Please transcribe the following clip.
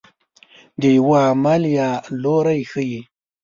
د یوه عمل یا لوری ښيي.